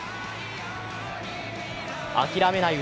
諦めない